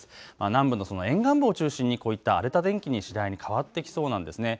南部の沿岸部を中心にこういった荒れた天気に次第に変わってきそうなんです。